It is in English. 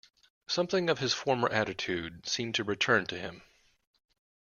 Something of his former attitude seemed to return to him.